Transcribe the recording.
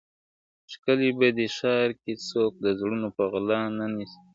ښکلي په دې ښار کي څوک د زړونو په غلا نه نیسي ,